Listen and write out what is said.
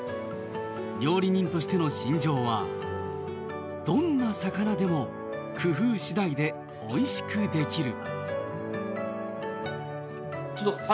料理人としての信条はどんな魚でも工夫次第でおいしくできる。